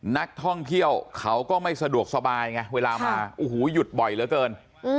นักท่องเที่ยวเขาก็ไม่สะดวกสบายไงเวลามาโอ้โหหยุดบ่อยเหลือเกิน